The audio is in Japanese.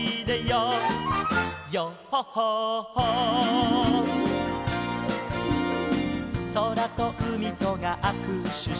「ヨッホッホッホー」「そらとうみとがあくしゅしている」